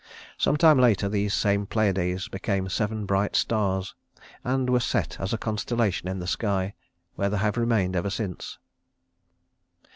Sometime later these same Pleiades became seven bright stars, and were set as a constellation in the sky, where they have remained ever since.